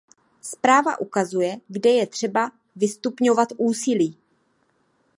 Zpráva ukazuje, kde je třeba vystupňovat úsilí.